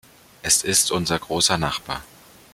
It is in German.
Es ist unser großer Nachbar.